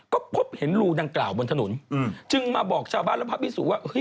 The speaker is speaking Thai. ก็พบเห็นรูดังกล่าวบนถนนจึงมาบอกชาวบ้านและพระพิสุว่า